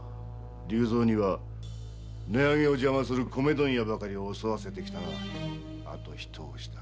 竜蔵には値上げを邪魔する米問屋ばかりを襲わせてきたがあと一押しだ。